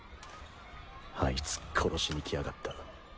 あいつ殺しにきやがった。